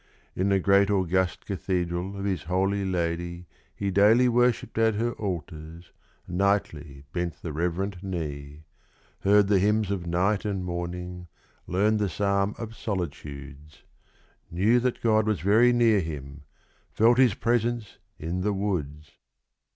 In the great august cathedral of his holy lady, he Daily worshipped at her altars, nightly bent the reverent knee Heard the hymns of night and morning, learned the psalm of solitudes; Knew that God was very near him felt His presence in the woods!